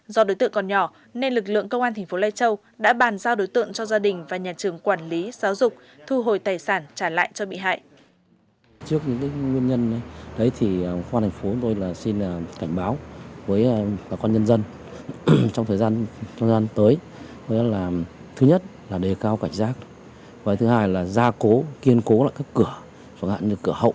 do đối tượng còn nhỏ nên lực lượng công an thành phố lai châu đã bàn giao đối tượng cho gia đình